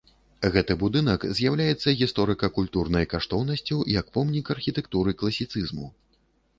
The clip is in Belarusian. Гэты будынак з'яўляецца гісторыка-культурнай каштоўнасцю як помнік архітэктуры класіцызму.